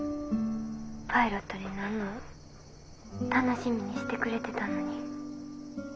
パイロットになんの楽しみにしてくれてたのに。